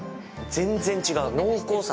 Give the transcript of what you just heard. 全然違う。